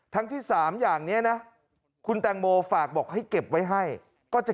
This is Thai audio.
ทั้งที่๓อย่างนี้นะคุณแตงโมฝากบอกให้เก็บไว้ให้ก็จะ